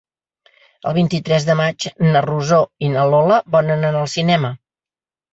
El vint-i-tres de maig na Rosó i na Lola volen anar al cinema.